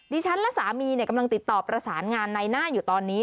ฉันและสามีกำลังติดต่อประสานงานในหน้าอยู่ตอนนี้